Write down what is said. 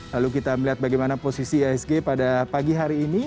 lalu kita melihat bagaimana posisi isg pada pagi hari ini